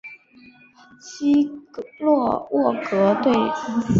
基洛沃格对抗迪根并指责他采用这种不顾危险的训练方式而无视受训者的生命。